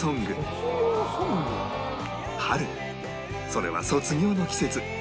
春それは卒業の季節